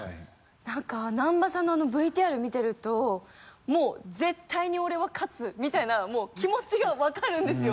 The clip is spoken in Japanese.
何か難波さんのあのＶＴＲ観てるともう絶対に俺は勝つ！みたいなもう気持ちがわかるんですよ。